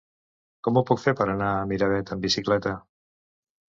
Com ho puc fer per anar a Miravet amb bicicleta?